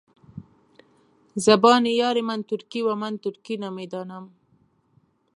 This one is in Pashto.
زبان یار من ترکي ومن ترکي نمیدانم.